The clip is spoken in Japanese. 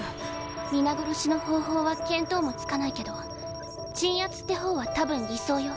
皆殺しの方法は見当もつかないけど鎮圧って方はたぶん偽装よ。